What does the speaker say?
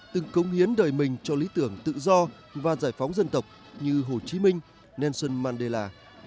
từng cống hiến đời mình cho lý tưởng tự do và giải phóng dân tộc như hồ chí minh nelson mandela